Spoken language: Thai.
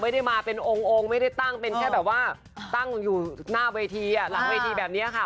ไม่ได้มาเป็นองค์ไม่ได้ตั้งเป็นแค่แบบว่าตั้งอยู่หน้าเวทีอ่ะหลังเวทีแบบนี้ค่ะ